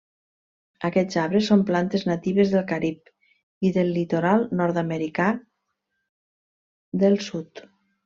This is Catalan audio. Aquests arbres són plantes natives del Carib i del litoral nord d'Amèrica del Sud.